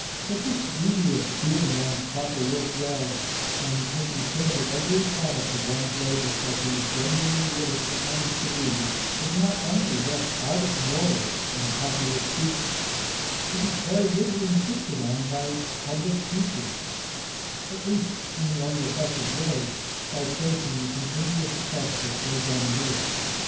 But this duty of doing one's proper work well, and taking care that every product of one's labour shall be genuinely what it pretends to be, is not only left out of morals in popular speech, it is very little insisted on by public teachers, at least in the only effective way by tracing the continuous effects of ill done work.